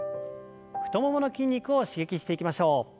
太ももの筋肉を刺激していきましょう。